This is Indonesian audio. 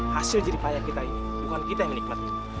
hasil jeripaya kita ini bukan kita yang menikmati